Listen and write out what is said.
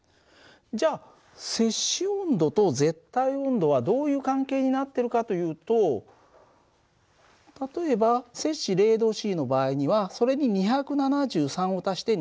じゃあセ氏温度と絶対温度はどういう関係になってるかというと例えばセ氏０℃の場合にはそれに２７３を足して２７３Ｋ。